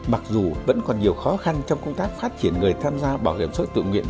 mặc dù vẫn còn nhiều khó khăn trong công tác phát triển người tham gia bảo hiểm xã hội tự nguyện